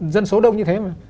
dân số đông như thế mà